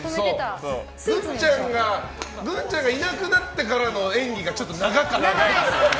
グンちゃんがいなくなってからの演技がちょっと長かったね。